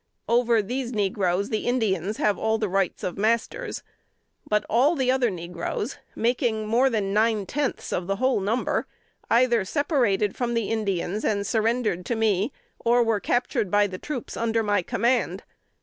Over these negroes the Indians have all the rights of masters; but all the other negroes, making more than nine tenths of the whole number, either separated from the Indians and surrendered to me, or were captured by the troops under my command.